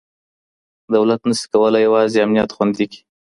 دولت نسي کولای یوازي امنیت خوندي کړي.